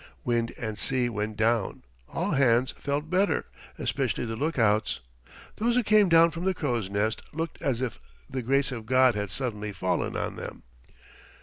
Wind and sea went down; all hands felt better especially the lookouts. Those who came down from the crow's nest looked as if the grace of God had suddenly fallen on them.